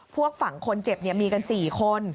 ฝั่งคนเจ็บมีกัน๔คน